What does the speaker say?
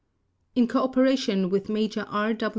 In cooperation with Major R.